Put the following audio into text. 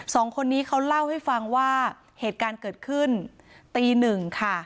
สองคนนี้เขาเล่าให้ฟังว่าเหตุการณ์เกิดขึ้นตีหนึ่งค่ะ